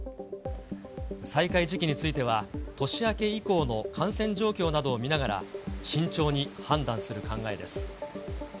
再開時期については、年明け以降の感染状況などを見ながら、慎重に判断する考えです。